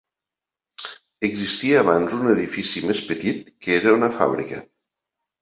Existia abans un edifici més petit que era una fàbrica.